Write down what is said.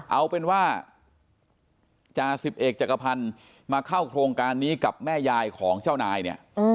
เอาเป็นว่าจ่าสิบเอกจักรพันธ์มาเข้าโครงการนี้กับแม่ยายของเจ้านายเนี่ย